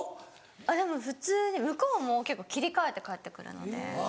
あっでも普通に向こうも結構切り替えて帰ってくるので。